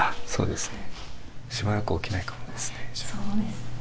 そうですね。